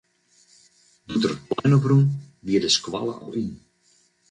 Doe't er it plein op rûn, wie de skoalle al yn.